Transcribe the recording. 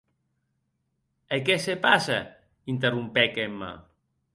E qué se passe?, interrompec Emma.